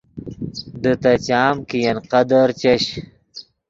دے تے چام کہ ین قدر چش